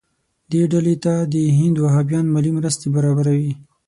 دې ډلې ته د هند وهابیان مالي مرستې برابروي.